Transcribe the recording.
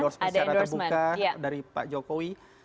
ada endorsement secara terbuka dari pak jokowi